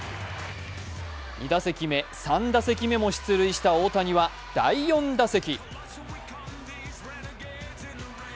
２打席目、３打席目も出塁した大谷は第４打席。